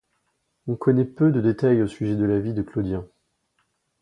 On connaît peu de détails au sujet de la vie de Claudien.